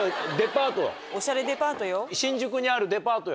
デパート。